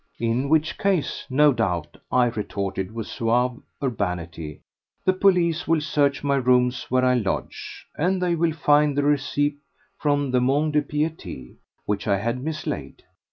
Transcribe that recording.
"In which case, no doubt," I retorted with suave urbanity, "the police will search my rooms where I lodge, and they will find the receipt from the Mont de Piété, which I had mislaid.